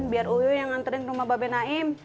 biar uyu yang anterin ke rumah bapak benaim